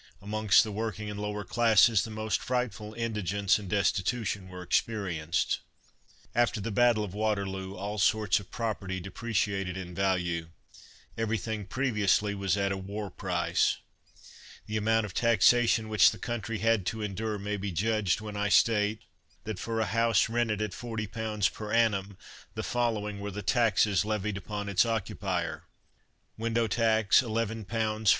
Amongst the working and lower classes the most frightful indigence and destitution were experienced. After the battle of Waterloo all sorts of property depreciated in value. Everything previously was at a "war price." The amount of taxation which the country had to endure may be judged when I state that for a house rented at forty pounds per annum the following were the taxes levied upon its occupier: Window tax, 11 pounds 4s.